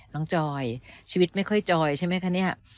จอยชีวิตไม่ค่อยจอยใช่ไหมคะเนี่ย